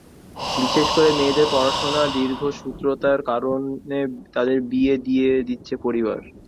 বিশেষ করে মেয়েদের পড়াশোনার দীর্ঘসূত্রতার কারণে তাঁদের বিয়ে দিয়ে দিচ্ছে পরিবার।